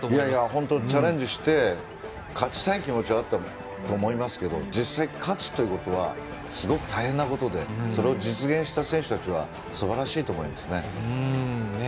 本当、チャレンジして勝ちたい気持ちはあったと思いますけど実際、勝つということはすごく大変なことでそれを実現した選手たちはすばらしいと思いますね。